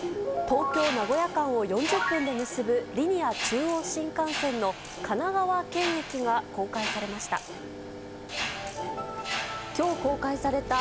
東京・名古屋間を４０分で結ぶリニア中央新幹線の神奈川県駅が公開されました。